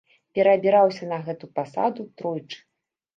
Пераабіраўся на гэту пасаду тройчы.